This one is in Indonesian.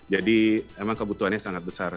jadi memang kebutuhannya sangat besar